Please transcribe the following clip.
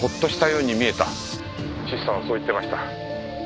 「シスターはそう言ってました」